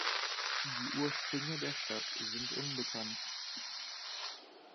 Die Ursprünge der Stadt sind unbekannt.